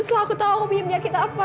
selalu aku tau aku punya penyakit apa